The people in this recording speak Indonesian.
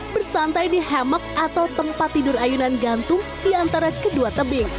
bersantai di hammock atau tempat tidur ayunan gantung di antara kedua tebing